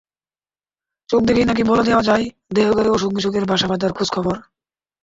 চোখ দেখেই নাকি বলে দেওয়া যায় দেহঘরে অসুখ-বিসুখের বাসা বাঁধার খোঁজ-খবর।